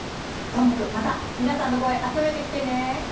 どーもくんまた皆さんの声、集めてきてね。